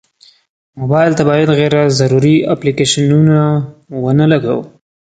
موبایل ته باید غیر ضروري اپلیکیشنونه ونه لګوو.